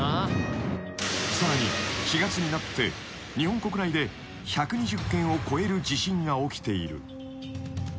［さらに４月になって日本国内で１２０件を超える地震が起きている］